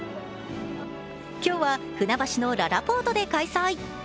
今日は船橋のららぽーとで開催。